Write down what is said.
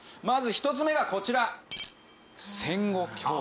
まず１つ目がこちら。